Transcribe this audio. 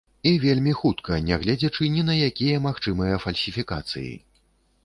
І вельмі хутка, нягледзячы ні на якія магчымыя фальсіфікацыі.